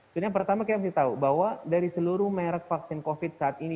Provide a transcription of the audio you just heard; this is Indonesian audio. yang pertama kita mesti tahu bahwa dari seluruh merek vaksin covid saat ini